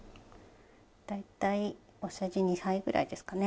大体大さじ２杯ぐらいですかね。